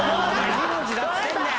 ２文字だっつってんだよ！